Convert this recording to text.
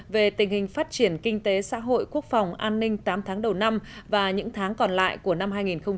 về tình hình phát triển kinh tế xã hội quốc phòng an ninh tám tháng đầu năm và những tháng còn lại của năm hai nghìn hai mươi